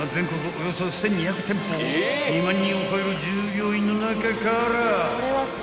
およそ１，２００店舗２万人を超える従業員の中から］